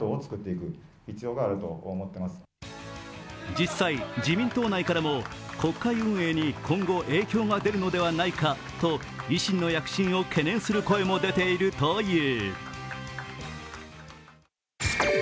実際、自民党内からも国会運営に今後、影響が出るのではないかと維新の躍進を懸念する声も出ているという。